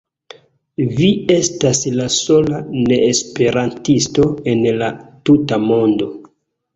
Vi estas la sola neesperantisto en la tuta mondo.